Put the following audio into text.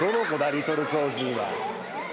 リトル超人は。